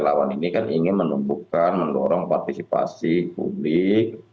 kita lawan ini kan ingin menumbuhkan mendorong partisipasi publik